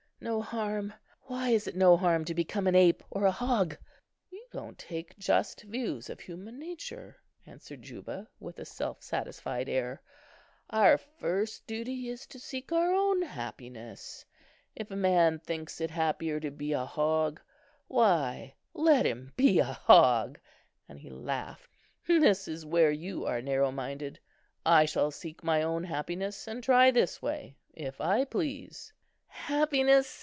"No harm! why, is it no harm to become an ape or a hog?" "You don't take just views of human nature," answered Juba, with a self satisfied air. "Our first duty is to seek our own happiness. If a man thinks it happier to be a hog, why, let him be a hog," and he laughed. "This is where you are narrow minded. I shall seek my own happiness, and try this way, if I please." "Happiness!"